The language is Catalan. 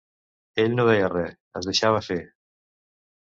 Ell no deia res, es deixava fer.